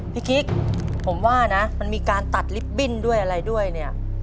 กิ๊กผมว่านะมันมีการตัดลิฟตบิ้นด้วยอะไรด้วยเนี่ย